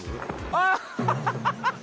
あっ。